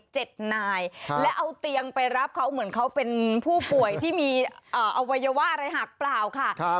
นายและเอาเตียงไปรับเขาเหมือนเขาเป็นผู้ป่วยที่มีเอ่ออวัยวะอะไรหักเปล่าค่ะครับ